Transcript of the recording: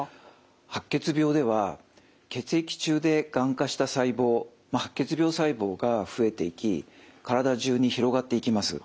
白血病では血液中でがん化した細胞白血病細胞が増えていき体中に広がっていきます。